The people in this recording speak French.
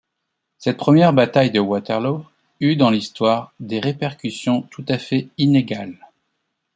Cette première bataille de Waterloo eut, dans l'Histoire, des répercussions tout à fait inégales.